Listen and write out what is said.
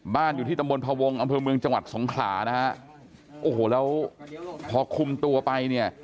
อยู่ที่ตำบลพวงอำเภอเมืองจังหวัดสงขลานะฮะโอ้โหแล้วพอคุมตัวไปเนี่ย